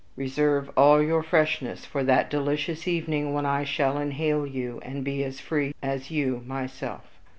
Reserve all your freshness for that delicious evening when I shall inhale you, and be as free as you myself."